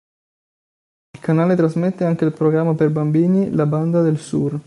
Il canale trasmette anche il programma per bambini "La Banda del Sur".